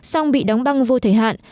song bị đóng băng vô thể hạn